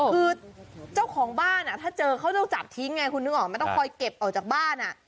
คือเจ้าของบ้านถ้าเจอเขาต้องจับทิ้งไงคุณนึกออกมันต้องคอยเก็บออกจากบ้าน